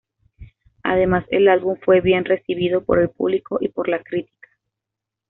Además, el álbum fue bien recibido por el público y por la crítica.